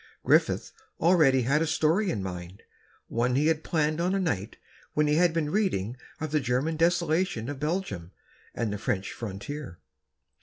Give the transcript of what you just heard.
Griffith already had a story in mind—one he had planned on a night when he had been reading of the German desolation of Belgium and the French frontier.